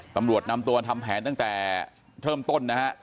ตำรวจนำตัวทำแผนตั้งแต่เริ่มต้นนะฮะ